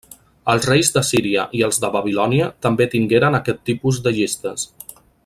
Els reis d'Assíria i els de Babilònia també tingueren aquest tipus de llistes.